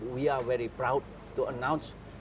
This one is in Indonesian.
kita sangat bangga untuk mengumumkan